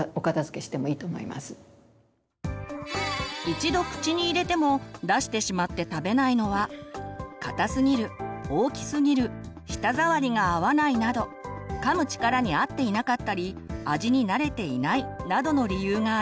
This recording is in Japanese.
一度口に入れても出してしまって食べないのは硬すぎる大きすぎる舌触りが合わないなどかむ力に合っていなかったり味に慣れていないなどの理由があります。